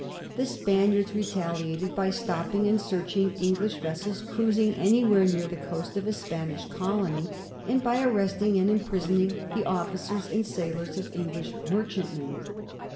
The Spaniards retaliated by stopping and searching English vessels cruising anywhere near the coast of a Spanish colony, and by arresting and imprison ing the officers and sailors of English merchantmen.